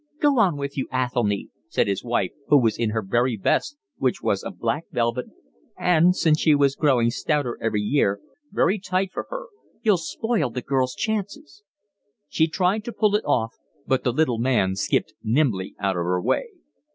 "Go on with you, Athelny," said his wife, who was in her best, which was of black velvet, and, since she was growing stouter every year, very tight for her. "You'll spoil the girl's chances." She tried to pull it off, but the little man skipped nimbly out of her way.